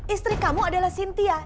istri kamu adalah cynthia